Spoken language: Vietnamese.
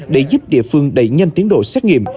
để giúp địa phương đẩy nhanh tiến độ xét nghiệm